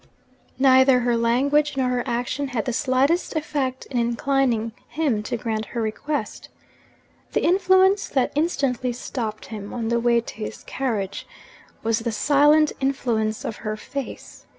Neither her language nor her action had the slightest effect in inclining him to grant her request. The influence that instantly stopped him, on the way to his carriage, was the silent influence of her face.